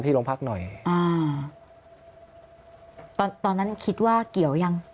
ตอนนั้นคิดว่าเกี่ยวยัง